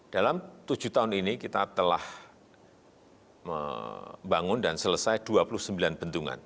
dalam tujuh tahun ini kita telah membangun dan selesai dua puluh sembilan bendungan